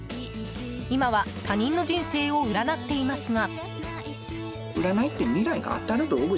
今は、他人の人生を占っていますが。